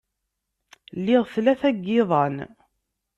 Liɣ tlata n yiḍan.